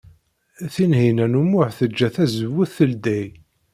Tinhinan u Muḥ tejja tazewwut teldey.